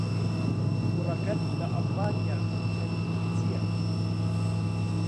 کوڕەکەت لە ئەڵمانیا خەریکی چییە؟